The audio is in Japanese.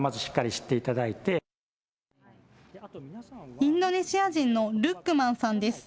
インドネシア人のルックマンさんです。